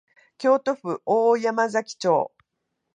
京都府大山崎町